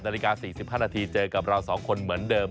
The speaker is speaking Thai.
นาฬิกา๔๕นาทีเจอกับเรา๒คนเหมือนเดิม